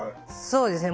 そうですね。